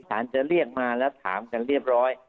จะเรียกมาแล้วถามกันเรียบร้อย